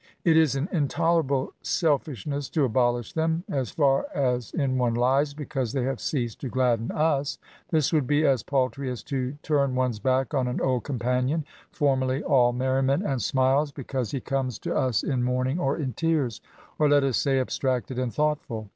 It is an intolerable selfishness to abolish them, as far as in one lies, because they have ceased to gladden us; this would be as paltry as to turn one's back on an old companion, for merly all merriment and smiles, because he comes 36 ESSAYS. to US in mourning or in tears; or^ let us say, abstracted and thoughtful.